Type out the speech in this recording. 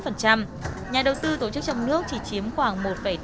nhà đầu tư tổ chức trong nước chỉ chiếm khoảng một tám mươi một